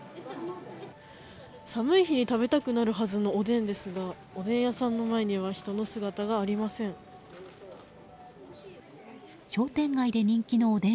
寒い日に食べたくなるはずのおでんですがおでん屋さんの前には人の姿がありません。